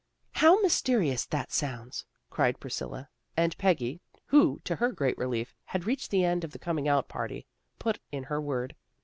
" How mysterious that sounds," cried Pris cilla, and Peggy, who, to her great relief, had reached the end of the coming out party, put in her word.